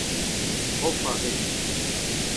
Profañ a rez.